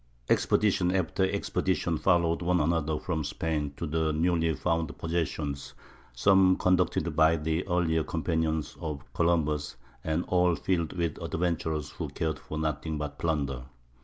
Expedition after expedition followed one another from Spain to the newly found possessions, some conducted by the earlier companions of Columbus, and all filled with adventurers who cared for nothing but plunder.